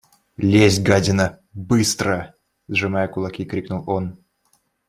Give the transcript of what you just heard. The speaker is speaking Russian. – Лезь, гадина, быстро! – сжимая кулаки, крикнул он.